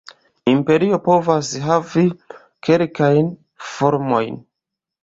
Imperio povas havi kelkajn formojn.